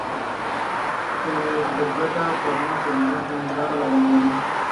Se interpreta en una posición similar a la del violín.